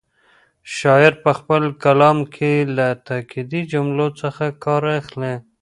شاعر په خپل کلام کې له تاکېدي جملو څخه کار اخلي.